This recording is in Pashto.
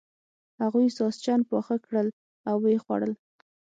هغوی ساسچن پاخه کړل او و یې خوړل.